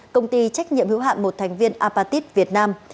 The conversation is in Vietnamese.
công ty trách nhiệm hữu hạn một thành viên apatit việt nam